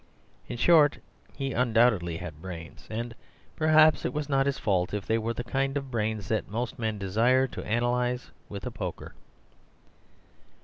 In short, he undoubtedly had brains; and perhaps it was not his fault if they were the kind of brains that most men desire to analyze with a poker.